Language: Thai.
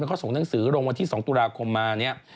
เขาส่งหนังสือลงวันที่๒ตุลาคมมาเนี่ย